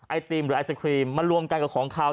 ไอติมหรือไอศครีมมารวมกันกับของเขา